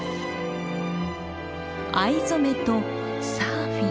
藍染めとサーフィン。